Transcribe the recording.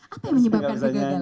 apa yang menyebabkan kegagalan